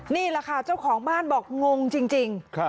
นี่แหละค่ะเจ้าของบ้านบอกงงจริง